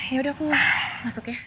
yaudah aku masuk ya